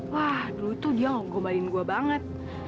wah dulu tuh dia ngomong gombalin gue banget